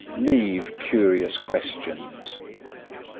Leave curious questions.